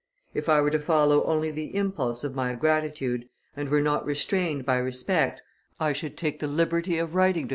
"If I were to follow only the impulse of my gratitude and were not restrained by respect, I should take the liberty of writing to H.